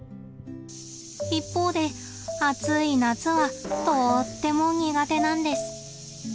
一方で暑い夏はとっても苦手なんです。